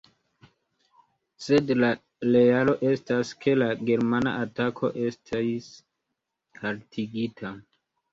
Sed la realo estas, ke la germana atako estis haltigita.